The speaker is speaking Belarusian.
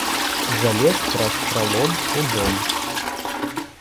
Залез праз пралом у дом.